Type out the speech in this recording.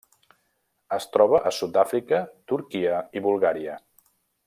Es troba a Sud-àfrica, Turquia i Bulgària.